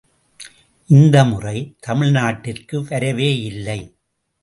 இந்த முறை தமிழ்நாட்டிற்கு வரவே இல்லை.